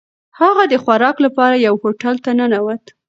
هغه د خوراک لپاره یوه هوټل ته ننووت.